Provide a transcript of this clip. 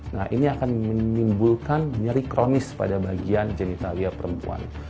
nah ini akan menimbulkan nyeri kronis pada bagian genetalia perempuan